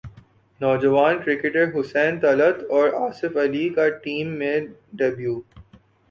نوجوان کرکٹر حسین طلعت اور اصف علی کا ٹی میں ڈیبیو